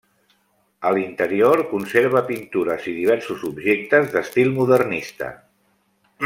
A l'interior conserva pintures i diversos objectes d'estil modernista.